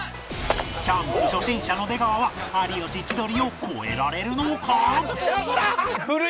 キャンプ初心者の出川は有吉千鳥を超えられるのか？